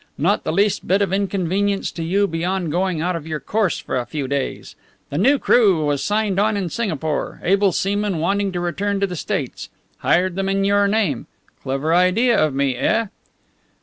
Not the least bit of inconvenience to you beyond going out of your course for a few days. The new crew was signed on in Singapore able seamen wanting to return to the States. Hired them in your name. Clever idea of me, eh?"